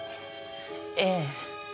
ええ。